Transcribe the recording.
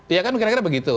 ya kan kira kira begitu